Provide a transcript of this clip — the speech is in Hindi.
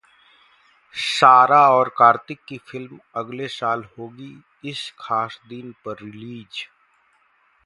सारा और कार्तिक की फिल्म अगले साल होगी इस खास दिन पर रिलीज़